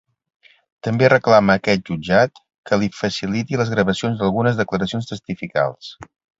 També reclama a aquest jutjat que li faciliti les gravacions d’algunes declaracions testificals.